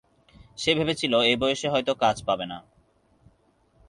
সে ভেবেছিল এই বয়সে হয়তো কাজ পাবে না।